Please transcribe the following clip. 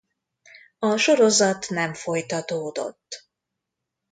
A sorozat nem folytatódott.